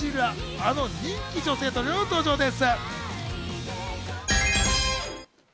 あの人気女性トリオの登場です。